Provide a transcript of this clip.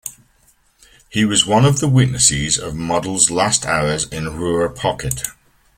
He was the witness of Model's last hours in Ruhr Pocket.